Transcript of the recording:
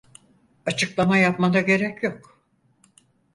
Açıklama yapmana gerek yok.